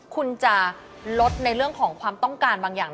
คุณจะลดในเรื่องของความต้องการบางอย่าง